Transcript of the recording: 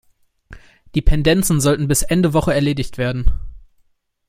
Die Pendenzen sollten bis Ende Woche erledigt werden.